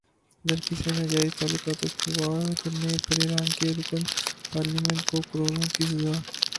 لڑکی سے ناجائز تعلقات استوار کرنے پر ایران کے رکن پارلیمنٹ کو کوڑوں کی سزا